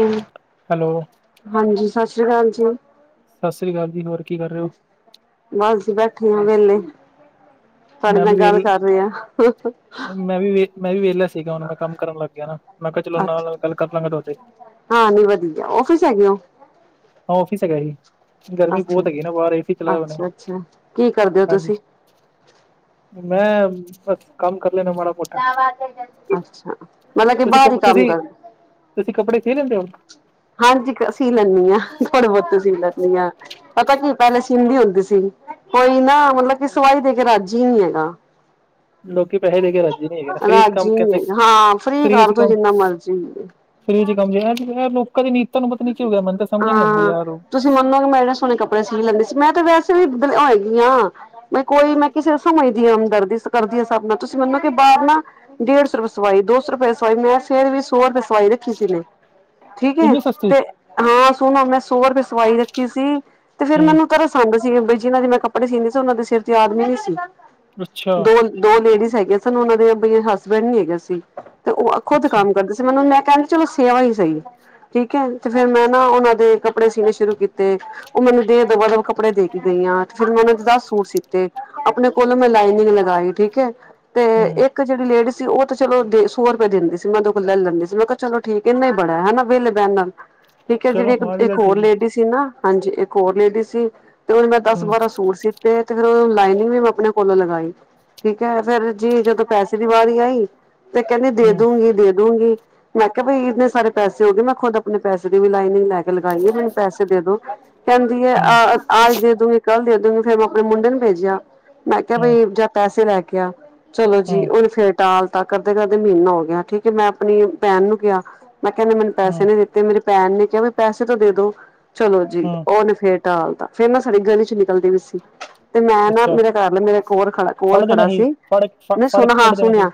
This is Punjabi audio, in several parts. ਹੂੰ। ਹੈਲੋ ਹਾਂਜੀ ਸਸਿ ਸ੍ਰੀ ਅਕਾਲ ਜੀ ਸਸਿ ਸ੍ਰੀ ਅਕਾਲ ਜੀ ਹੋਰ ਕੀ ਕਰ ਰਹੇ ਓ ਬਸ ਜੀ ਬੈਠੇ ਆ ਵੇਲੇ ਤੁਹਾਡੇ ਮੈਂ ਵੀ ਨਾਲ ਗੱਲ ਵੇਲ ਕਰ ਰਹੇ ਆ ਮੈਂ ਵੀੇ ਮੈਂ ਵੀ ਵੇਹਲਾ ਸੀਗਾ ਹੁਣ ਮੈਂ ਕੰਮ ਕਰਨ ਲੱਗ ਗਿਆ ਨਾ ਮੈਂ ਕਿਹਾ ਚਲੋ ਨਾਲ ਅੱਛਾ ਨਾਲ ਗੱਲ ਕਰ ਲਾਂਗਾ ਤੁਹਾਡੇ ਹਾਂ ਨੀ ਵਦੀਆ ਔਫਿਸ ਹੈਗੇ ਓ ਹਾਂ ਓਫਿਸ ਹੈਗਾ ਜੀ ਗਰਮੀ ਅੱਛਾ, ਬਹੁਤ ਹੈਗੀ ਨਾ ਵਾਹਾਰ ਏਸੀ ਚਲਾਏ ਹੋਨੇ, ਅੱਛਾ-ਅੱਛਾ ਕੀ ਕਰਦੇ ਓ ਹਾਂਜੀ ਤੁਸੀਂ? ਮੈਂ ਬਸ ਕੰਮ ਕਰ ਲੈਨਾ ਮਾੜਾ ਮੋਟਾ, ਅੱਛਾ ਮਤਲਬ ਕੇ ਤੁਸੀਂ ਬਾਹਰ ਹੀ ਕ ਕੰਮ ਤੁਸੀਂ ਕਰ ਤੁਸੀਂ ਕੱਪੜੇ ਸੀ ਲੈਂਦੇ ਔ ਹਾਂਜੀ ਸੀ ਲੈਂਨੀ ਆ ਥੋੜੇ ਬਹੁਤੇ ਸੀ ਲੈਂਨੀ ਆ ਪਤਾ ਕੀ ਪਹਿਲੇ ਸੀੰਦੀ ਹੁੰਦੀ ਸੀ ਕੋਈ ਨਾ ਮਤਲਬ ਕਿ ਸਵਾਈ ਦੇ ਕੇ ਰਾੱਜੀ ਹੀ ਨਹੀਂ ਹੈਗਾ ਲੋਕੀ ਪੈਹੇ ਦੇ ਕੇ ਰਾੱਜ਼ੀ ਨਹੀਂ ਹੈਗੇ ਫਰੀ ਚ ਕੰਮ ਰਾਜੀ ਨੀ ਕਹਿੰਦੇ ਹੈਗਾ ਹਾਂ ਫ੍ਰਰੀ ਫਰੀ ਚ ਕਰਦੋ ਕੰਮ ਜਿੰਨਾ ਮਰਜ਼ੀ। ਫਰੀ ਚ ਕਮ ਯਾਰ ਲੋਕਾਂ ਦੀ ਨੀਤਾਂ ਨੂੰ ਪਤਾ ਨੀ ਕੀ ਹੋ ਗਆ ਮਨੂੰ ਤਾਂ ਸਮਝ ਨੀ ਆਉਂਦੀ ਹਾਂ ਯਾਰ ਉਹ ਤੁਸੀਂ ਮੈਂ ਏਨੇ ਸੋਹਣੇ ਕੱਪੜੇ ਸੀ ਲੈਂਦੀ ਸੀ ਮੈਂ ਤਾਂ ਵੈਸੇ ਵੀ ਹੋਏਗੀ ਹਾਂ ਨੀ ਮੈਂ ਕੋਈ ਮੈਂ ਕਿਸੇ ਸਮਝ ਦੀਆ ਹਮਦਰਦੀ ਕਰਦੀ ਹਾ ਸਬ ਨਾਲ ਤੁਸੀਂ ਮੈਨੋ ਕਿ ਬਾਹਰ ਨਾ ਡੇਢ ਸੌ ਰੁਪਏ ਸਵਾਈ ਦੋ ਸੌ ਰੁਪਏ ਸਵਾਈ ਮੈਂ ਫਿਰ ਵੀ ਸੌ ਰੁਪਏ ਸਵਾਈ ਰੱਖੀ ਸੀ ਨੇ ਠੀਕ ਹੈ ਇੰਨੀ ਸਸਤੀ ਤੇ ਹਾਂ ਸੂਨੋ ਮੈਂ ਸੌ ਰੁਪਏ ਸਵਾਈ ਰੱਖੀ ਸੀ ਤੇ ਫਿਰ ਹੂੰ, ਮੈਨੂੰ ਤਰਸ ਆੰਦਾ ਸੀ ਜਿਹਨਾਂ ਦੇ ਮੈਂ ਕੱਪੜੇ ਸੀਂਦੀ ਸੀ ਉਹਨਾਂ ਦੇ ਸਿਰ ਤੇ ਆਦਮੀ ਨ ਸੀ, ਦੋ ਅੱਛਾ-ਅੱਛਾ, ਦੋ ਲੇਡੀਜ਼ ਹੈਗੀਆਂ ਸਨ ਉਹਨਾਂ ਦੇ ਬਈ ਹਸਬੈਂਡ ਨੀ ਹੈਗੇ ਸੀ ਤੇ ਉਹ ਖੁਦ ਕੰਮ ਕਰਦੀ ਤੇ ਮੈਨੂੰ ਮੈਂ ਕਹਿੰਦੀ ਚਲੋ ਸੇਵਾ ਹੀ ਸਹੀ ਠੀਕ ਹੈ ਤੇ ਫੇਿਰ ਮੈਂ ਨਾ ਉਹਨਾਂ ਦੇ ਕੱਪੜੇ ਸੀਣੇ ਸ਼ੁਰੂ ਕੀਤੇ ਉਹ ਮੈਨੂੰ ਦੇ ਦਬਾ ਦਬ ਕੱਪੜੇ ਦੇ ਕੇ ਗਈਆਂ ਤੇ ਫਿਰ ਮੈਂ ਉਹਨਾ ਦੇ ਦੱਸ ਸੂਟ ਸੀਤੇ ਆਪਨੇ ਕੋਲੋ ਮੈਂ ਲਾਈਨਿੰਗ ਲਗਾਈ ਠੀਕ ਹੈ ਤੇ ਹੂੰ ਇਹ ਜਿਹੜੀ ਲੇਡੀ ਸੀ ਉਹ ਤਾਂ ਚਲੋ ਦੇ ਸੌ ਰੁਪਏ ਦਿੰਦੀ ਸੀ ਮੈਂ ਓਦੇ ਕੋਲੋ ਲੈ ਲੈਂਦੀ ਸੀ ਮੈਂ ਕਿਹਾ ਚਲੋ ਠੀਕ ਇੰਨਾ ਬੜਾ ਹੈਨਾ ਵੇਹਲੇ ਪੈਨਲ ਠੀਕ ਹੈ ਜਿਹੜੀ ਚਲੋ ਹਾਂ ਇਹ ਇੱਕ ਵੀ ਇੱਕ ਗੱਲ ਹੋਰ ਠੀਕ ਹੈ, ਲੇਡੀ ਸੀ ਨਾ ਹਾਂਜੀ ਇੱਕ ਹੋਰ ਲੇਡੀ ਸੀ ਤੇ ਓਦੇ ਨਾ ਦਸ ਹੂੰ, ਬਾਰਾਂ ਸੂਟ ਸੀ ਤੇ ਤੇ ਫੇਰ ਉਹ ਲਾਈਨਿੰਗ ਵੀ ਮੈਂ ਆਪਣੇ ਕੋਲੋਂ ਲਗਾਈ ਠੀਕ ਹੈ ਫੇਰ ਜੀ ਜਦੋਂ ਪੈਸੇ ਦੀ ਵਾਰੀ ਆਈ ਤੇ ਕਹਿੰਦੀ ਦੇ ਹੂੰ, ਦੂਗੀ ਦੇ ਦੂਗੀ ਮੈਂ ਕਿਹਾ ਬਈ ਇੰਨੇ ਸਾਰੇ ਪੈਸੇ ਹੋ ਗਏ ਮੈਂ ਖੁਦ ਆਪਣੇ ਪੈਸੇ ਦੀ ਵੀ ਲਾਈਨਿੰਗ ਲੈ ਕੇ ਲਗਾਈ ਹੈ ਮੈਨੂੰ ਪੈਸੇ ਦੇ ਦੋ ਕਹਿੰਦੀ ਹੈ ਹੂੰ, ਅ ਆੱਜ ਦੇ ਦੂਗੀ ਕੱਲ੍ਹ ਦੇ ਦੂਗੀ ਫੇਿਰ ਮੈਂ ਆਪਣੇ ਮੁੰਡੇ ਨੂੰ ਭੇਜਿਆ ਮੈਂ ਕਿਹਾ ਹੂੰ, ਬਈ ਜਾ ਪੈਸੇ ਲੈ ਕੇ ਆ, ਚਲੋ ਹੂੰ ਜੀ ਉਹਨੇ ਫੇਰ ਟਾਲ ਤਾਂ ਕਰਦੇ-ਕਰਦੇ ਮਹੀਨਾ ਹੋ ਗਿਆ ਠੀਕ ਐ ਮੈਂ ਆਪਣੀ ਭੈਣ ਨੂੰ ਕਿਹਾ ਮੈਂ ਕਿਹਾ ਏਨੇ ਮੈਨੂੰ ਹੂੰ ਪੈਸੇ ਨੀ ਦਿੱਤੇ ਤੇ ਮੇਰੀ ਭੈਣ ਨੇ ਕਿਹਾ ਵੀ ਪੈਸੇ ਤੋਂ ਦੇ ਦੋ ਚਲੋ ਜੀ ਹੂੰ ਉਹਨੇ ਫੇਰ ਟਾਲਤਾ ਫਿਰ ਮੈਂ ਸਾਡੇ ਗਲੀ ਚ ਨਿਕਲਦੇ ਪਈ ਸੀ ਤੇ ਮੈਂ ਨਾ ਅੱਛਾ ਮੇਰੇ ਘਰਲਾ ਮੇਰੇ ਕੋਲ ਫੜ ਦੇਣਾ ਖੜਾ ਸੀ ਫੜ ਮੈ ਫੜ ਸੁਣ ਕੇ ਹਾਂ ਕੁੱਟ ਦੇਣਾ ਸੀ ਸੁਣਿਆ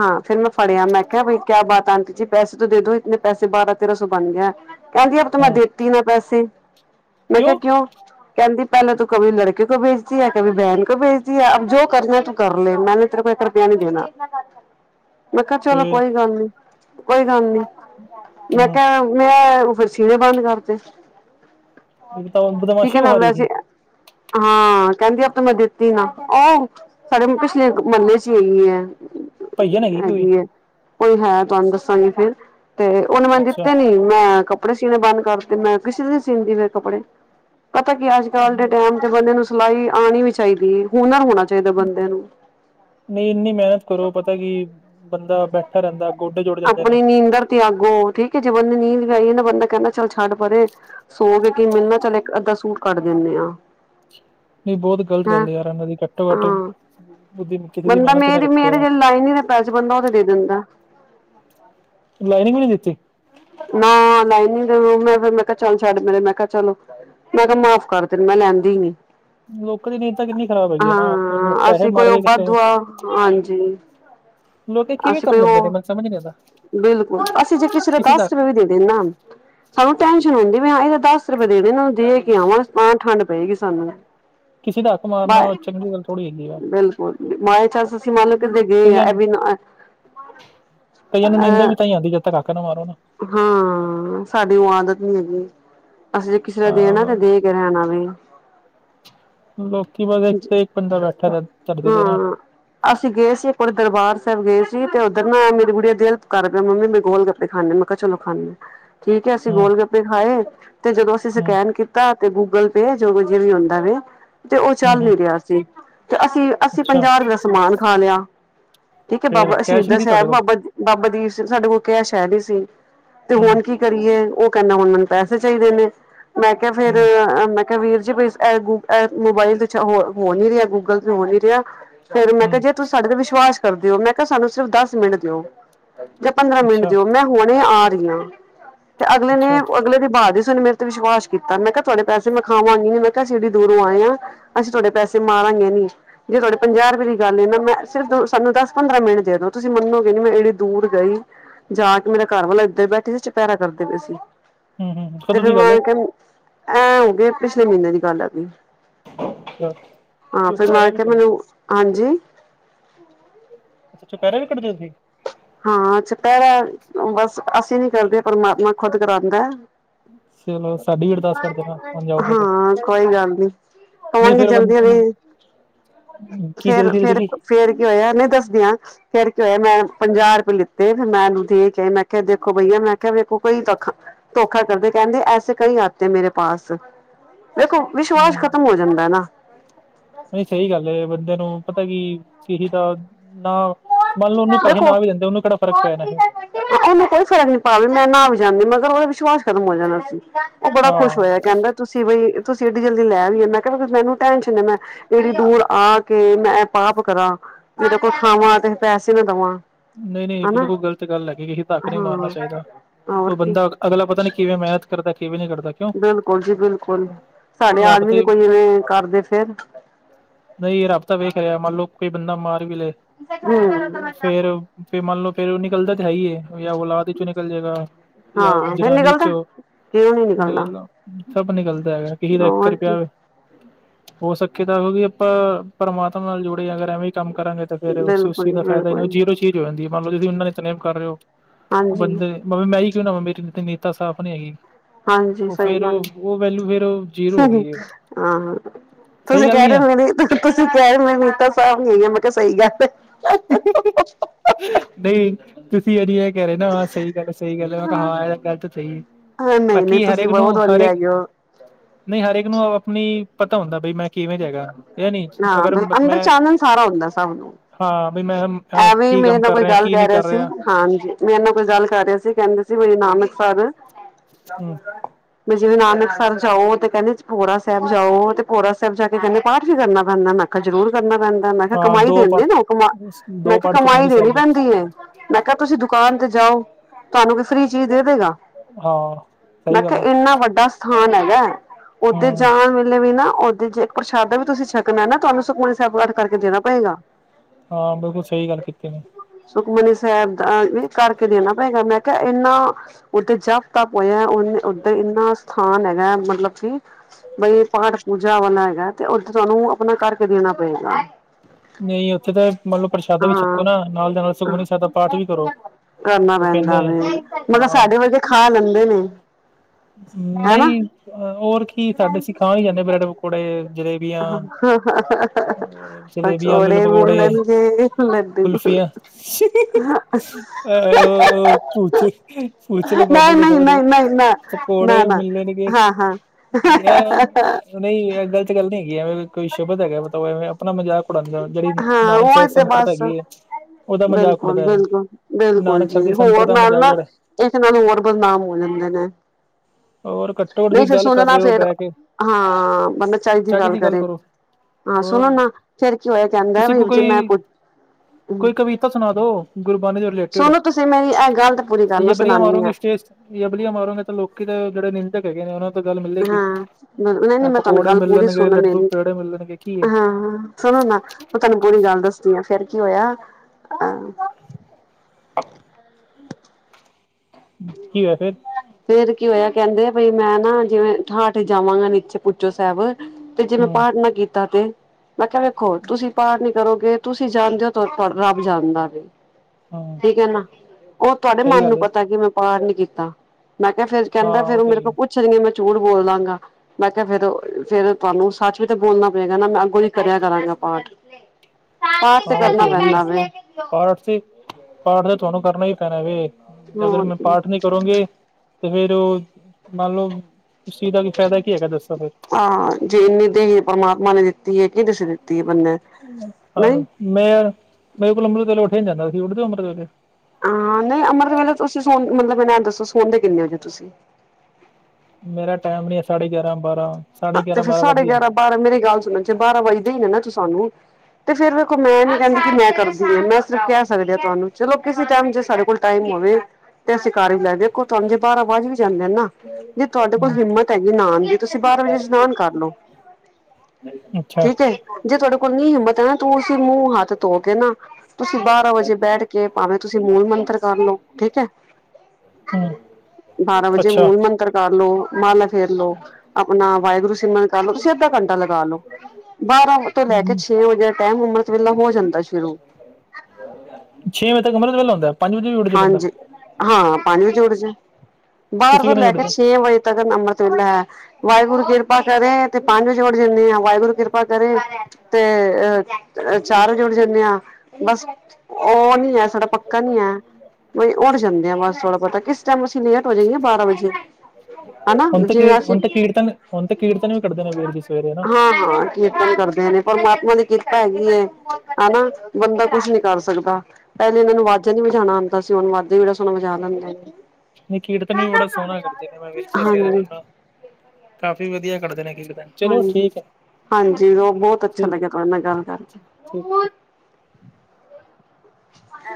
ਹਾਂ ਫਿਰ ਮੈਂ ਫੜਿਆ ਮੈਂ ਕਿਹਾ ਬਈ ਕਿਆ ਬਾਤ ਆਂਟੀ ਜੀ ਪੈਸੇ ਤੋਂ ਦੇ ਦੋ ਇਤੇ ਪੈਸੇ ਬਾਰਾਂ ਤੇਰਾਂ ਸੌ ਬਣ ਗਿਆ, ਕਹਿੰਦੀ ਅਬ ਤੋ ਮੈਂ ਹਾਂ ਦੇਤੀ ਨਾ ਪੈਸੇ, ਮੈਂ ਕਿਹਾ ਕਿਉਂ ਕਹਿੰਦੀ ਪਹਿਲੇ ਤੂੰ ਕਭੀ ਲੜਕੇ ਕੋ ਭੇਜਦੀ ਹੈ ਕਭੀ ਬਹਿਨ ਕੋ ਭੇਜਦੀ ਹੈ ਅਬ ਜੋ ਕਰਨਾ ਤੂੰ ਕਰ ਲੇ ਮੈਂਨੇ ਤੇਰੇ ਕੋ ਇੱਕ ਰੁਪਿਆ ਨੀ ਦੇਨਾ [inaudible] ਮੈਂ ਕਿਹਾ ਚਲੋ ਫੇਰ ਕੋਈ ਗੱਲ ਨੀ, ਕੋਈ ਗੱਲ ਨੀ, ਮੈਂ ਹੂੰ ਕਿਹਾ ਮੈਂ ਫਿਰ ਸੀਣੇ ਬੰਦ ਕਰਤੇ ਇਹ ਤਾਂ ਠੀਕ ਬਦਮਾਸ਼ੀ ਹੈ ਨਾ ਵਿਖਾ ਰਹੀ ਸੀ ਵੈਸੇ ਹਾਂ ਕਹਿੰਦੀ ਅਬ ਤੋ ਮੈਂ ਦੇਤੀ ਈ ਨਾ ਸਾਡੇ ਪਿਛਲੇ ਮੰਹਲੇ ਚ ਹੀ ਰਹਿਣੀ ਹੈ ਭਈਅਨ ਕੋਈ ਹੈਗੀ ਐ, ਕੋਈ ਹੈ ਤੁਹਾਨੂੰ ਦੱਸਾਂਗੇ ਫੇਰ ਤੇ ਉਹਨੂੰ ਮੈਂ ਅੱਛਾ ਦਿੱਤੇ ਨੀ, ਮੈਂ ਕੱ ਕੱਪੜੇ ਸੀਣੇ ਬੰਦ ਕਰਤੇ ਮੈਂ, ਕਿਸੇ ਦੇ ਨੀ ਸੀਂਦੀ ਮੈ ਕੱਪੜੇ ਪਤਾ ਕੀ ਅੱਜ ਕੱਲ ਦੇ ਟੈਮ ਹਰ ਬੰਦੇ ਨੂੰ ਸਿਲਾਈ ਆਣੀ ਵੀ ਚਾਹੀਦੀ ਏ, ਹੁਨਰ ਹੋਣਾ ਚਾਹੀਦਾ ਬੰਦੇ ਨੂੰ। ਨਈ ਏਨੀ ਮੈਹਨਤ ਕਰੋ ਪਤਾ ਕਿ ਬੰਦਾ ਬੈਠਾ ਰਹਿੰਦਾ, ਗੋਡੇ ਜੁੜ ਜਾਂਦੇ ਨੇ। ਆਪਣੀ ਨੀਂਦਰ ਤੇ ਅਗੋ, ਠੀਕ ਏ ਜੇ ਬੰਦੇ ਨੀਂਦ ਵੀ ਆਈ ਏ ਨਾ ਬੰਦਾ ਕਹਿੰਦਾ ਚੱਲ ਛੱਡ ਪਰੇ। ਸੋ ਕੇ ਕੀ ਮਿਲਣਾ, ਚੱਲ ਇੱਕ ਅੱਧਾ ਸੂਟ ਕੱਢ ਦਿੰਨੇ ਆ। ਨਹੀਂ ਬਹੁਤ ਗ਼ਲਤ ਹ, ਹਾਂ ਗੱਲ ਹੈ ਯਾਰ ਇਹਨਾਂ ਦੀ ਘੱਟੋ ਘੱਟ ਬੁੱਧੀ ਕਿਸੇ ਦੀ ਬੰਦਾ ਮਿਹਨਤ ਨਾ ਮੇਰੀ ਰੱਖੋ ਮੇਰੇ ਯਾਰ [unintelligible] ਬਾਅਦ ਚ ਬੰਦਾ ਉਹ ਤੇ ਦੇ ਦਿੰਦਾ। ਲਾਈਨਿੰਗ ਵੀ ਨੀ ਦਿੱਤੀ। ਨਾ ਲਾਈਟਨਿੰਗ, ਮੈਂ ਫਿਰ ਮੈਂ ਕਿਹਾ ਚੱਲ ਛੱਡ ਪਰੇ ਮੈਂ ਕਿਹਾ ਚਲ ਮੈਂ ਕਿਹਾ ਮਾਫ਼ ਕਰ ਤੈਨੂੰ ਮੈਂ ਲੈਂਦੀ ਨੀ। ਲੋਕਾ ਦੀ ਨੀਂਤ ਤਾਂ ਕਿੰਨੀ ਖ਼ਰਾਬ ਹੈਗੀ ਨਾ ਹਾਂ ਪੈਸੇ ਅਸੀਂ ਕੋਈ ਮਾਰ ਉਹ ਗਏ ਕਿਥੇ ਵਾਧੂ ਆ ਹਾਂਜੀ ਲੋਕੀ ਕਿਵੇਂ ਅਸੀਂ ਕਰ ਕੋਈ ਲੈਂਦੇ ਨੇ ਉਹ ਮੈਨੂੰ ਸਮਝ ਨੀ ਆਂਦਾ। ਬਿਲਕੁਲ ਅਸੀਂ ਜੇ ਕਿਸੇ ਦੇ ਦਸ ਰੁਪਏ ਵੀ ਦੇ ਦੇ ਨਾ ਸਾਨੂੰ ਟੈਨਸ਼ਨ ਜਾਦੀ ਵੀ ਇਹਦੇ ਤਾਂ ਦਸ ਰੁਪਏ ਦੇਣੇ ਦੇ ਕੇ ਆਵਾਂ ਤਾਂ ਠੰਡ ਪਏਗੀ ਸਾਨੂੰ। ਕਿਸੇ ਦਾ ਹੱਕ ਮਾਰਨਾ ਬਸ ਚੰਗੀ ਗੱਲ ਥੋੜੀ ਹੈਗੀ ਆ ਬਿਲਕੁਲ ਮਾਏ ਚਸ ਅਸੀਂ ਮੰਨ ਕੇ ਦੇ ਗਏ ਤੁਸੀਂ ਇਹ ਵੀ ਕਈਆਂ ਨੂੰ ਨੀਂਦਰ ਵੀ ਅ ਤਾਂ ਹੀ ਆਉਂਦੀ ਜਦ ਤੱਕ ਹੱਕ ਨਾ ਮਾਰੋ ਨਾ। ਹਾਂ, ਸਾਡੀ ਉਹ ਆਦਤ ਨੀ ਹੈਗੀ। ਅਸੀਂ ਜੇ ਕਿਸੇ ਦਾ ਹਾਂ ਦੇਣਾ ਤੇ ਬਸ ਦੇ ਕੇ ਰਹਿਣਾ ਵੇ। ਲੋਕੀ ਬਸ ਇੱਕ ਤੇ ਇੱਕ ਬੰਦਾ ਬੈਠਾ ਦਾ ਝੱਟ ਦੇਂਦੇ ਨਾ। ਹਾਂ। ਅਸੀਂ ਗਏ ਸੀ ਇੱਕ ਵਾਰੀ ਦਰਬਾਰ ਸਾਹਿਬ ਗਏ ਸੀ ਤੇ ਉੱਧਰ ਨਾ ਮੇਰੀ ਗੁੜੀ ਦੀ ਦਿਲ ਕਰ ਪਿਆ, ਮੰਮੀ ਮੈਂ ਗੋਲ ਗੱਪੇ ਖਾਂਣੇ ਮੈਂ ਕਿਹਾ ਚਲੋ ਖਾਂਨੇ ਠੀਕ ਐ ਅਸੀਂ ਹੂੰ ਗੋਲ ਗੱਪੇ ਖਾਏ ਤੇ ਜਦੋਂ ਅਸੀਂ ਹੂੰ ਸਕੈਨ ਕੀਤਾ ਤੇ ਗੂਗਲ ਪੇ ਜੋ ਜੇ ਕੁੱਝਵੀ ਹੁੰਦਾ ਵੇ, ਤੇ ਉਹ ਹੂੰ ਚੱਲ ਹੂੰ ਨੀ ਰਿਹਾ ਸੀ ਤੇ ਅਸੀਂ ਅਸੀ ਅੱਛਾ ਪੰਜਾਹ ਰੁਪਏ ਦਾ ਸਮਾਨ ਖਾ ਲਿਆ। ਠੀਕ ਐ ਫੇਰ ਬਾਬਾ ਕੈਸ਼ ਸ਼ਹੀਦਾ ਨਹੀਂ ਸੀ ਤੁਹਾਡੇ ਸਾਹਿਬ ਕੋਲ ਬਾਬਾ- ਬਾਬਾ ਦੀਪ ਸਿੰਘ ਸਾਡੇ ਕੋਲ ਕੈਸ ਹੈ ਨੀ ਸੀ ਤੇ ਹੂੰ ਹੁਣ ਕੀ ਕਰੀਏ, ਉਹ ਕਹਿੰਦਾ ਹੁਣ ਮੈਨੂੰ ਪੈਸੇ ਚਾਹੀਦੇ ਨੇ ਮੈਂ ਕਿਹਾ ਫੇਰ ਹੂੰ ਮੈਂ ਵੀਰ ਜੀ ਐ-ਐ ਮੋਬਾਇਲ ਵਿੱਚ ਹੋ ਨੀ ਰਿਹਾ, ਗੂਗਲ ਪੇਅ ਹੋ ਨੀਂ ਰਿਹਾ। ਫੇਰ ਮੈਂ ਕਿਹਾ ਹੂੰ ਜੇ ਤੁਸੀਂ ਸਾਡੇ ਤੇ ਵਿਸ਼ਵਾਸ ਕਰਦੇ ਹੋ, ਮੈਂ ਕਿਹਾ ਸਾਨੂੰ ਸਿਰਫ ਦਸ ਮਿੰਟ ਦਿਓ। ਜਾਂ ਪੰਦਰਾਂ ਮਿੰਟ ਅੱਛਾ ਦਿਓ ਮੈਂ ਹੁਣੇ ਆ ਰੀ ਆ, ਤੇ ਅਗਲੇ ਅੱਛਾ ਨੇ ਅਗਲੇ ਦੀ ਬਾਅਦ ਨੀ ਸੁਣੀ ਮੈ ਤੇ ਵਿਸ਼ਵਾਸ ਕੀਤਾ ਮੈਂ ਕਿਹਾ ਤੁਹਾਡੇ ਪੈਸੇ ਮੈਂ ਖਾਵਾਂਗੀ ਨੀ, ਮੈਂ ਕਿਹਾ ਅਸੀਂ ਐਂਡੀ ਦੂਰੋਂ ਆਏ ਆ। ਅਸੀਂ ਤੁਹਾਡੇ ਪੈਸੇ ਮਾਰਾਂਗੇ ਨੀ, ਜੇ ਤੁਹਾਡੇ ਪੰਜਾਹ ਰੁਪਏ ਦੀ ਗੱਲ ਏ ਨਾ ਮੈਂ ਸਿਰਫ ਦੋ ਸਾਨੂੰ ਦਸ ਪੰਦਰਾਂ ਮਿੰਟ ਦੇ ਦੋ, ਤੁਸੀਂ ਮੰਨੋਗੇ ਨੀ ਮੈਂ ਏਡੀ ਦੂਰ ਗਈ ਜਾ ਕੇ, ਮੇਰਾ ਘਰ ਵਾਲਾ ਏਧਰ ਬੈਠੇ ਸੀ ਚੁਪਹਿਰਾ ਕਰਦੇ ਪਏ ਸੀ। ਹੂੰ ਹੂੰ ਹੂੰ। ਤੇ ਕਦੋਂ ਫੇਰ ਦੀ ਗੱਲ ਹੈ ਮੈਂ ਕਿਹਾ, ਐ ਹੈਗੀ ਪਿਛਲੇ ਮਹੀਨੇ ਦੀ ਗੱਲ ਹੈਗੀ। ਅੱਛਾ, ਹਾਂ ਫਿਰ ਚੁਪਹਿਰਾ ਮੈਂ ਵੀ ਕਿਹਾ ਕੱਢ ਮੈਨੂੰ, ਹਾਂਜੀ। ਅੱਛ ਚੁਪਹਿਰੇ ਵੀ ਕੱਟਦੇ ਤੁਸੀਂ। ਹਾਂ ਚੁਪਹਿਰਾ ਬਸ ਅਸੀਂ ਨੀ ਕਰਦੇ ਪਰਮਾਤਮਾ ਖੁਦ ਕਰਾਂਦਾ ਐ। ਚਲੋ ਸਾਡੀ ਵੀ ਅਰਦਾਸ ਕਰ ਦੇਣਾ ਹੁਣ ਜਾਓਗੇ ਤੇ ਹਾਂ, ਕੋਈ ਗੱਲ ਨੀ। ਨਹੀਂ ਕਵਾਂਗੇ ਫੇਰ ਜਲਦੀ ਬ ਜਲਦੀ ਕੀ ਫੇਰ ਜਲਦੀ ਜਲਦੀ ਫੇਰ ਕੀ ਫੇਰ ਕੀ ਹੋਇਆ ਮੈਂ ਦੱਸਦੀ ਆਂ- ਫੇਰ ਕੀ ਹੋਇਆ ਮੈਂ ਪੰਜਾਹ ਰੁਪਏ ਲਿੱਤੇ ਫਿਰ ਮੈਂ ਉਹਨੂੰ ਦੇ ਕੇ ਆਈ, ਮੈਂ ਕਿਹਾ ਦੇਖੋ ਬਈਆ ਮੈਂ ਕਿਹਾ ਵੇਖੋ ਕਈ ਤਾ ਖਾ ਧੋਖਾ ਕਰਦੇ, ਕਹਿੰਦੇ ਐਸੇ ਕਈ ਆਤੇ ਮੇਰੇ ਪਾਸ। ਵੇਖੋ ਵਿਸ਼ਵਾਸ ਖ਼ਤਮ ਹੋ ਜਾਂਦਾ ਐ ਨਾ। ਨਈਂ ਸਈ ਗੱਲ ਏ, ਬੰਦੇ ਨੂੰ ਪਤਾ ਕੀ ਕਿਸੀ ਦਾ ਨਾਂ ਮੰਨ ਲੋ ਓਨੂੰ ਪੈਹੇ ਨਾਲ ਨੀ ਦਿੰਦੇ ਓਨੂੰ ਕੇੜਾ ਫਰਕ ਪੈ ਏਂਣਾ। ਓਨੂੰ ਕੋਈ ਫਰਕ ਨੀ ਭਾਵੇਂ ਮੈਂ ਨਾ ਵੀ ਜਾਂਦੀ ਮਗਰ ਓ ਏ ਵਿਸ਼ਵਾਸ ਖਤਮ ਹੋ ਜਾਣਾ ਸੀ। ਓ ਬੜਾ ਖੁਸ਼ ਹਾਂ ਹੋਯਾ, ਕੈਂਦਾ ਤੁਸੀ ਬਈ ਤੁਸੀਂ ਏਡੀ ਜਲਦੀ ਲੈਣ ਵੀ, ਮੈਂ ਕਿਹਾ ਮੈਨੂੰ ਟੈਨਸ਼ਨ ਏ, ਮੈਂ ਇੰਨੀ ਦੂਰ ਆ ਕੇ ਮੈਂ ਐ ਪਾਪ ਕਰਾਂ, ਜਿਦੇ ਕੋਲ ਖਾਵਾਂ ਤੇ ਪੈਸੇ ਨਾ ਦਵਾਂ ਨਈਂ-ਨਈਂ ਬਿਲਕੁਲ ਗ਼ਲਤ ਗੱਲ ਹੈੱਗੀ। ਕਿਸੀ ਦਾ ਹੱਕ ਨੀਂ ਮਾਰਨਾ ਹਾਂ ਚਾਈਦਾ। ਹੋਰ ਓ ਕੀ ਬੰਦਾ ਅਗਲਾ ਪਤਾ ਨੀ ਕਿਵੇਂ ਮੈਨਤ ਕਰਦਾ ਕਿਵੇਂ ਨੀ ਕਰਦਾ। ਕਿਉਂ ਬਿਲਕੁਲ ਜੀ ਬਿਲਕੁਲ, ਸਾਡੇ ਰੱਬ ਆਦਮੀ ਦੇ ਤੇ ਕੋਈ ਇਵੇਂ ਕਰਦੇ ਫੇਰ! ਨਈ ਰੱਬ ਤਾਂ ਵੇਖ ਰਿਹਾ, ਮੰਨ ਲਓ ਕੋਈ ਬੰਦਾ ਮਾਰ ਵੀ ਲੈ। ਹਮ ਫੇਰ-ਫੇਰ ਮੰਨ ਲੋ ਫੇਰ ਨਿਕਲਦਾ ਤੇ ਹੈ ਹੀ ਏ ਯਾ ਔਲਾਦ ਚੋਂ ਨਿਕਲ ਜੇਗਾ ਯਾ ਹਾਂ ਫਿਰ ਜਨਾਨੀ ਨਿਕਲਦਾ ਚੋਂ। ਕਿਉਂ ਨੀ ਨਿਕਲਦਾ, ਸਭ ਨਿਕਲਦਾ ਹੈਗੈ, ਕਿਸੇ ਦਾ ਇੱਕ ਹੋਰ ਰੁਪਿਆ ਕੀ ਵੀ ਹੋ ਸਕੇ ਤਾਂ ਕਿਉਂਕਿ ਆਪਾਂ ਪਰਮਾਤਮਾ ਨਾਲ ਜੁੜੇ, ਅਗਰ ਐਵੇਂ ਕੰਮ ਕਰਾਂਗੇ ਤੇ ਫੇਰ ਉਸ-ਉਸ ਬਿਲਕੁਲ ਚੀਜ ਜੀ ਦਾ ਫਾਇਦਾ ਈ ਨੀ, ਓ ਬਿਲਕੁਲ ਜੀਰੋ ਚੀਜ਼ ਹੋ ਜਾਂਦੀ ਏ। ਮੰਨ ਲਓ ਤੁਸੀਂ ਹੁਣ ਨਾ ਨਿਤਨੇਮ ਕਰ ਰੇ ਓ, ਹਾਂਜੀ ਬੰਦੇ ਭਾਵੇਂ ਮੈਂ ਈ ਕਿਉਂ ਨਾ ਹੋਵਾਂ, ਮੇਰੀ ਨੀਤਾ- ਨੀਤਾ ਸਾਫ ਨੀਂ ਹੈਗੀ ਹਾਂਜੀ ਉਹ ਸਈ ਫੇਰ ਉਹ ਗੱਲ, ਉਹ ਵੈਲੂ ਫੇਰ ਉਹ ਜੀਰੋ ਹੋ ਸਹੀ, ਗਈ ਹਾਂ। ਸਹੀ ਤੁਸੀਂ ਗੱਲ ਕੈ ਨੀ ਰੇ ਆ ਓ ਮੇਰੀ, ਤੁਸੀ -ਤੁਸੀਂ ਕੈ ਰੇ ਮੇਰੀ ਨੀਤਾ ਸਾਫ਼ ਨੀ, ਮੈਂ ਕਿਆ ਸਈ ਗੱਲ ਏ। [inaudible] ਨਈ ਤੁਸੀਂ ਏਦੀ ਏ ਕੈ ਰੇ ਨਾ, ਸਈ ਗੱਲ ਏ, ਸਈ ਗੱਲ ਏ। ਮੈ ਕਿਆ ਹਾਂ ਐ ਗੱਲ ਤੇ ਸਈ ਏ। ਹਾਂ ਨਹੀਂ ਨਹੀਂ ਬਾਕੀ ਤੁਸੀਂ ਹਰੇਕ ਨੂੰ ਬਹੁਤ ਵਧੀਆ ਹਰੇਕ ਹੈਗੇ ਹੋ ਨਈ ਹਰੇਕ ਨੂੰ ਅਪਨੀ ਪਤਾ ਹੁੰਦਾ ਬਈ, ਮੈਂ ਕਿਵੇਂ ਜਾ ਏਗਾ, ਯਾ ਨੀ। ਅਗਰ ਹਾਂ ਅੰਦਰ ਮੈਂ ਚਾਨਣ ਸਾਰਾ ਹੁੰਦਾ ਸਭ ਨੂੰ, ਹਾਂ ਵੀ ਮੈਂ ਐਵੇਂ ਈ ਕੀ ਮੇਰੇ ਕੰਮ ਨਾਲ ਕਰ ਕੋਈ ਰਿਹਾ ਗੱਲ ਕੀ ਕੈ ਨਹੀਂ ਰੇਆ ਕਰ ਸੀ ਰਿਹਾ ਹਾਂਜੀ, ਮੇਰੇ ਨਾਲ ਕੋਈ ਗੱਲ ਕਰ ਰਿਹਾ ਸੀ, ਕੇਨਦੇ ਸੀ, ਬਈ ਨਾਨਕਸਰ ਹਮ ਵੀ ਜਿਵੇਂ ਨਾਨਕਸਰ ਜਾਓ 'ਤੇ ਕੈਂਦੇ ਭੋਰਾ ਸਾਹਿਬ ਜਾਓ, ਤੇ ਭੋਰਾ ਸਾਹਿਬ ਜਾ ਕੇ ਕੈਂਦੇ ਪਾਠ ਵੀ ਕਰਨਾ ਪੈਂਨਾ, ਮੈਂ ਕਿਆ ਜ਼ਰੂਰ ਕਰਨਾ ਪੈਂਦ ਹੈਂ ਮੈਂ ਕਿਆ ਹਾਂ ਕਮਾਈ ਦੋ ਦੇਂਦੇ ਪਾਠ ਨੇ ਓ, ਕਮਾ! ਮੈਂ ਦੋ ਕਿਆ ਪਾਠ ਕਮਾਈ ਸੁਖਮਨੀ ਦੇਣੀ ਸਾਹਿਬ ਦੇ ਪੈਂਦੀ ਏ। ਮੈਂ ਕੇਆ ਤੁਸੀਂ ਦੁਕਾਨ ਤੇ ਜਾਓ, ਤੁਆਨੂੰ ਕੋਈ ਫ੍ਰੀ ਚੀਜ਼ ਦੇ ਦੇਗਾ? ਹਾਂ ਮੈਂ ਸਹੀ ਗੱਲ ਕੇਆ ਹੈ ਏਨਾ ਵੱਡਾ ਸ ਥਾਨ ਹੈਗਾ, ਓਦੇ ਹਮ ਜਾਣ ਵੇਲੇ ਵੀ ਨਾ, ਓਦੇ ਜੇ ਪ੍ਰਸ਼ਾਦਾ ਵੀ ਤੁਸੀਂ ਛਕਣਾ ਨਾ, ਤੁਆਨੂੰ ਸੁਖਮਨੀ ਸੈਬ ਪਾਠ ਕਰਕੇ ਦੇਣਾ ਪਏਗਾ। ਹਾਂ ਬਿਲਕੁਲ ਸਹੀ ਗੱਲ ਕੀਤੀ ਨੇ ਸੁਖਮਨੀ ਸੈਬ ਦਾ ਨੀ ਕਰਕੇ ਦੇਣਾ ਪਏਗਾ, ਮੈਂ ਕ ਕ ਏਨਾ ਓਥੇ ਜਪ-ਤਪ ਹੋਇਐ, ਓਨ-ਓਥੇ ਏਨਾ ਸਥਾਨ ਹੈਗਾ ਮਤਲਬ ਕੀ ਬਈ ਪਾਠ-ਪੂਜਾ ਵਾਲਾ ਹੈਗੈ ਤੇ ਓਥੇ ਤੁਆਨੂੰ ਆਪਣਾ ਕਰਕੇ ਦੇਣਾ ਪੇਗਾ। ਨਈ ਓਥੇ ਤੇ ਮਤਲਬ ਪ੍ਰਸ਼ਾਦਾ ਵੀ ਛੱਕੋ ਹਾਂ ਨਾ ਨਾਲ ਦੇ ਨਾਲ ਸੁਖਮਨੀ ਸੈਬ ਦਾ ਪਾਠ ਵੀ ਕਰੋ। ਕਰਨਾ ਉਹ ਕਹਿੰਦੇ ਪੈਂਦਾ ਵੇ, ਮਲਬ ਸਾਡੇ ਵਰਗੇ ਖਾ ਲੈਂਦੇ ਨੇ। ਹਨਾ। ਨਈ ਹੋਰ ਕੀ ਸਾਡੇ ਅਸੀਂ ਤਾਂ ਹੀ ਜਾਂਦੇ ਬ੍ਰੈਡ-ਪਕੌੜੇ, ਜਲੇਬੀ [unintelligible] ਜਲੇਬੀ ਅੱਛਾ! ਆਲੂ ਵਾਲੇ ਔੜੇ ਪਕੌੜੇ ਮਿਲਣਗੇ, ਲੱਡੂ ਐ ਓ-ਓ ਭੁੱਚੋ-ਭੁੱਚੋ ਆਲੇ ਬਾਬਾ ਨਹੀਂ ਜੀ ਦਾ ਨਹੀਂ ਸ਼ਬਦ ਏ। ਨਹੀਂ ਨਹੀਂ ਨਾ ਨਾ ਪਕੌੜੇ ਨਾ ਮਿਲਣਗੇ, ਹਾਂ [inaudible] ਹਾਂ ਸੁਣਿਐ ਈ ਏ, ਗ਼ਲਤ ਗੱਲ ਨੀ ਹੈਗੀ, ਐਵੇ ਕੋਈ ਸ਼ਬਦ ਹੈਗਾ, ਬਤਾਓ ਐਵੇਂ ਆਪਣਾ ਮਜ਼ਾਕ ਉਡਾਉਂਦਾ ਜਿਹੜੀ ਹਾਂ, ਨਾਨਕਸਰ ਓਏ ਤੇ ਸੰਪਰਦਾ ਬੱਸ ਹੈਗੀ ਹੈ ਉਹਦਾ ਮਜ਼ਾਕ ਉਡਦਾ ਐਵੇਂ ਬਿਲਕੁਲ-ਬਿਲਕੁਲ-ਬਿਲਕੁਲ ਨਾਨਕਸਰ ਜੀ, ਦੀ ਹੋਰ ਸੰਪਰਦਾ ਨਾਲ ਮਜ਼ਾਕ ਨਾ ਜਿਹੜਾ ਏਸੇ ਨਾਲ ਹੋਰ ਬਦਨਾਮ ਹੋ ਜਾਂਦੇ ਨੇ। ਹੋਰ ਘੱਟੋ ਘੱਟ ਨਈ ਤੁਸੀਂ ਫੇਰ ਗੱਲ ਸੁਣ ਕਰ ਨਾ ਰਹੇ ਹੋ ਫੇਰ, ਬਹਿ ਕੇ ਹਾਂ, ਬੰਦਾ ਚੱਜ ਦੀ ਗੱਲ ਕਰੇ। ਆਂ! ਸੁਣੋ ਹੋਰ ਨਾ ਫੇਰ ਕੀ ਹੋਯਾ ਕੈਂਦਾ ਜੇ ਮੈਂ ਕੂ ਕਵੀਤਾ ਸੁਨਾ ਦੋ ਗੁਰਬਾਨੀ ਦੇ ਰਿਲੇਟਿਡ ਤੁਸੀਂ ਮੇਰੀ ਇਹ ਗੱਲ ਤਾਂ ਪੂਰੀ ਕਰ ਲਓ ਯਬਲੀਆਂ ਸੁਣਾਨੀ ਮਾਰੋਗੇ ਆ ਸਟੇਜ ਯਬਲੀਆਂ ਮਾਰੋਗੇ ਤਾਂ ਲੋਕੀ ਤੇ ਜੇੜੇ ਨਿੰਦਕ ਹੈਗੇ ਨੇ, ਓਨਾ ਹਾਂ, ਨ ਨਈ-ਨਈ ਮੈਂ ਤਾਨੂੰ ਪਕੌੜੇ ਗੱਲ ਪੂਰੀ ਮਿਲਣਗੇ ਸੁਨੋ ਲੱਡੂ ਮੇਰੀ, ਪੇੜੇ ਮਿਲਣਗੇ ਕੀ ਹੈ ਹਾਂ ਸੁਣੋ ਨਾ, ਮੈਂ ਤਾਨੂੰ ਪੂਰੀ ਗੱਲ ਦੱਸਦੀ ਆ, ਫੇਰ ਕੀ ਹੋਇਆ ਅ [inaudible] [inaudible] ਕੀ ਹੋਯਾ ਫੇਰ? ਫੇਰ ਕੀ ਹੋਯਾ, ਕੈਨਦੇ ਬਈ ਮੈਂ ਨਾ ਜਿਵੇਂ ਠਾਠ ਜਾਵਾਂਗਾ ਨੀਚੇ ਪੁੱਜੋ ਸੈਬ ਤੇ ਜੇ ਮੈਂ ਹਮ ਪਾਠ ਨਾ ਕੀਤਾ ਤੇ ਮੈਂ ਕੇਆ ਵੇਖੋ, ਤੁਸੀਂ ਪਾਠ ਨੀ ਕਰੋਗੇ, ਤੁਸੀ ਜਾਨਦੇ ਓ, ਰੱਬ ਜਾਨਦਾ ਵੇ। ਹਮ ਠੀਕ ਐ ਨਾ, ਓ ਤੁਆਡੇ ਸਹੀ ਮਨ ਗੱਲ ਨੂੰ ਹੈ ਪਤਾ ਕਿ ਮੈਂ ਪਾਠ ਨੀ ਕੀਤਾ, ਮੈਂ ਕੇਆ ਫੇਰ ਹਾਂ ਕੈਂਦਾ ਫੇਰ ਉਹ ਓ ਤਾਂ ਮੇਰੇ ਹੈਈ ਕੋ ਹੈ ਪੁੱਛਨਗੇ, ਮੈਂ ਝੂਠ ਬੋਲ ਦਾਂਗਾ। ਮੈਂ ਕੇਆ ਫੇਰ ਫੇਰ ਤੁਆਨੂੰ ਸੱਚ ਵੀ ਤਾਂ ਬੋਲਨਾ ਪੇਗਾ ਨਾ, ਮੈਂ ਅੱਗੋਂ ਜੀ ਕਰੇਆ ਕਰਾਂਗਾ ਪਾਠ। ਪਾਠ ਹਾਂ, ਓ ਕਰਨਾ ਤੇ ਹੈ ਈਐ, ਪੈਂਦਾ ਵੇ ਪਾਠ ਤੇ ਪਾਠ ਤੇ ਤੁਆਨੂੰ ਕਰਨਾ ਈ ਪੈਣਾ ਵੇ। ਤੇ ਅਗਰ ਹੋਰ ਮੈਂ ਕੀ ਪਾਠ ਨੀ ਕਰੋਂਗੇ ਤੇ ਫੇਰ ਓ ਮੰਨ ਲੋ, ਓਸ ਚੀਜ ਦਾ ਫਾਇਦਾ ਕੀ ਹੈਗਾ, ਦੱਸੋ ਫਿਰ? ਆ, ਜੇ ਏਨੀ ਦੇਹ ਪਰਮਾਤਮਾ ਨੇ ਦਿੱਤੀ ਐ, ਕੀਦੇ ਆਸਤੇ ਦਿੱਤੀ ਬਨਦਾ ਏ ਅ ਮੈਂ, ਮੇਰੇ ਕੋਲੋ ਅਮ੍ਰਤ ਵੇਲੇ ਉੱਠਿਆ ਨੀ ਜਾਂਦਾ ਸੀ, ਤੁਸੀ ਉਠਦੇ ਓ ਅੰਮ੍ਰਿਤ ਵੇਲੇ? ਹਾਂ, ਨਈ ਅਮਰਤ ਵੇਲੇ ਤੁਸੀਂ ਸੋਨ ਮਲਬ ਮੈਨੂੰ ਐ ਦੱਸੋ, ਸੋਨਦੇ ਕਿੰਨੇ ਵਜੇ ਤੁਸੀਂ? ਮੇਰਾ ਟੈਮ ਨੀ ਐ, ਸਾਢੇ ਗਿਆਰਾਂ-ਬਾਰਾਂ। ਅ ਤੇ ਫੇਰ ਸਾਡੇ ਗਿਆਰਾਂ-ਬਾਰਾਂ, ਮੇਰੀ ਗੱਲ ਸੁਨੋ ਚੇ ਬਾਰਾਂ ਵੱਜਦੇ ਈ ਨੇ ਨਾ ਸਾਨੂੰ ਤੇ ਫੇਰ ਵੇਖੋ ਮੈਂ ਨੀਂ ਕੈਂਦੀਕਿ ਮੈਂ ਕਰਦੀ ਆਂ, ਮੈਂ ਸਿਰਫ ਕੈ ਸਕਦੀ ਆਂ ਤੁਆਨੁ, ਚਲੋ ਜੇ ਕਿਸੇ ਟੈਮ ਸਾਡੇ ਕੋਲ ਫੁੱਲ ਟਾਈਮ ਹੋਵੇ ਤੇ ਅਸੀ ਕਰ ਵੀ ਲਾਈਦਾ ਦੇਖੋ ਤੁਆਨੂੰ ਜੇ ਬਾਰਾ ਵੱਜ ਵੀ ਜਾਂਦੇ ਨਾ, ਜੇ ਤੁਆਡੇ ਕੋਲ ਹੂੰ ਹਿੰਮਤ ਹੈਂਗੀ ਨਾਨ ਜੇ ਤੁਸੀਂ ਬਾਰਾਂ ਵਜੇ ਸ਼ਨਾਨ ਕਰਲੋ, ਅੱਛਾ ਠੀਕ ਐ ਜੇ ਤੁਆਡੇ ਕੋਲ ਨੀ ਹਿੰਮਤ ਐ ਨਾ, ਤੁਸੀਂ ਮੂੰਹ ਹੱਥ ਧੋਕੇ ਨਾ ਤੁਸੀ ਬਾਰਾਂ ਵਜੇ ਬੈਠ ਕੇ ਭਾਵੇਂ ਤੁਸੀਂ ਮੂਲ ਮੰਤਰ ਕਰ ਲੋ, ਠੀਕੈ। ਹੂੰ। ਬਾਰਾਂ ਵਜੇ ਅੱਛਾ ਮੂਲ ਮੰਤਰ ਕਰਲੋ, ਮਾਲ ਫੇਰਲੋ ਆਪਨਾ ਵਾਹਿਗੁਰੂ ਸਿਮਰਨ ਕਰ ਲੋ, ਤੁਸੀਂ ਅੱਧਾ ਘੰਟਾ ਲਗਾ ਲੋ। ਬਾਰਾਂ ਤੋਂ ਲੈਕੇ ਛੇ ਵਜੇ ਟਾਈਮ ਅਮ੍ਰਤ ਵੇਲਾ ਹੋ ਜਾਂਦਾ ਸ਼ੁਰੂ। ਛੇ ਵਦ ਤਕ ਅੰਮ੍ਰਿਤ ਵੇਲਾ ਹੁੰਦੈ? ਹਾਂਜੀ ਹਾਂ, ਪੰਜ ਵਜੇ ਉਠ ਜੇ ਬਾਰਾਂ ਤੁਸੀਂ ਤੋਂ ਕਿੰਨੇ ਲੈ ਕੇ ਉੱਠਦੇ ਹੋ ਛੇ ਵਜੇ ਤਕਨ ਅੰਮ੍ਰਿਤ ਵੇਲੈ। ਵਾਏਗੁਰੂ ਕਿਰਪਾ ਕਰੇ ਤੇ ਪੰਜ ਵਜੇ ਉਠ ਜਾਂਨੇ ਆ, ਵਾਏਗੁਰੂ ਕਿਰਪਾ ਕਰੇ ਤੇ ਅ ਅ ਚਾਰ ਵਜੇ ਉਠ ਜਾਂਨੇ ਆ, ਬਸ ਓ ਨੀ ਐ, ਸਾਡਾ ਪੱਕਾ ਨੀ ਐ। ਬਈ ਉਠ ਜਾਨੇ ਆ ਬਸ ਥੋੜ੍ਹਾ-ਬੋਤਾ, ਕਿਸ ਟੇਮ ਅਸੀਂ ਲੇਟ ਹੋ ਜਾਈਏ ਬਾਰਾਂ ਵਜੇ ਹਨਾ ਹੁਨ ਤੇ ਕੀ ਜਿਵੇਂ ਅਸੀਂ ਹੁਨ ਤੇ ਕੀਰਤਨ, ਹੁਨ ਤੇ ਕੀਰਤਨ ਵੀ ਕਡਦੇ ਨੇ ਵੀਰ ਜੀ ਸਵੇਰੇ, ਹੈਨਾ। ਹਾਂ ਹਾਂ ਕੀਰਤਨ ਕਰਦੇ ਨੇ, ਪਰਮਾਤਮਾ ਦੀ ਕਿਰਪਾ ਹੈਗੀ ਏ ਹੈਨਾ, ਬੰਦਾ ਕੁਛ ਨੀ ਕਰ ਸਕਦਾ। ਪੈਲੇ ਈਨਾਂ ਨੂੰ ਵਾਜਾ ਨੀ ਵਜਾਨਾ ਆਂਦਾ ਸੀ ਹੁਨ, ਵਾਜੇ ਵਿਨਾ ਸੁ ਹੁਣ ਵਜਾ ਲੈਂਦੇ ਨੇ, ਨਹੀਂ ਕੀਰਤਨ ਵੀ ਬੜਾ ਸੋਹਣਾ ਕਰਦੇ ਨੇ ਮੈਂ ਵੇਖਿਆ ਸੀ ਇਹਨਾਂ ਨੂੰ ਹਾਂਜੀ। ਨਾ ਕਾਫੀ ਵਧੀਆ ਕਢਦੇ ਨੇ ਕੀਰਤਨ। ਚਲੋ ਠੀਕ ਹੈ ਹਾਂਜੀ-ਹਾਂਜੀ, ਓ ਬੋਤ ਅੱਛਾ ਠੀਕ ਹੈ ਲੱਗਿਆ ਥੁਹਾਡੇ ਨਾਲ ਗੱਲ ਕਰਕੇ। ਠੀਕ।